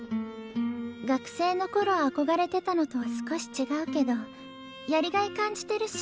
学生の頃憧れてたのとは少し違うけどやりがい感じてるし。